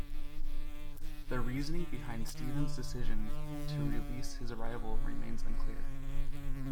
The reasoning behind Stephen's decision to release his rival remains unclear.